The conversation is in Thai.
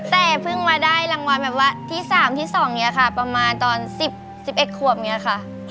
แต่เพิ่งมาได้รางวัลแบบว่าที่๓ที่๒เนี่ยค่ะประมาณตอน๑๑ขวบอย่างนี้ค่ะ